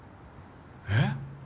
えっ？